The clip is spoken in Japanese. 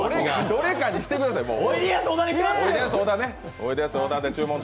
どれかにしてください、もう。